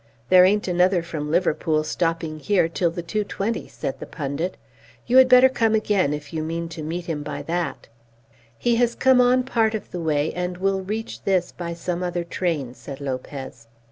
"There ain't another from Liverpool stopping here till the 2.20," said the pundit. "You had better come again if you mean to meet him by that." "He has come on part of the way, and will reach this by some other train," said Lopez.